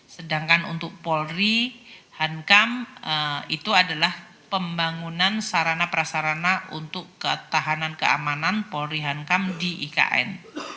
sedangkan untuk polri hankam itu adalah pembangunan sarana prasarana untuk ketahanan keamanan polri hankam di ikn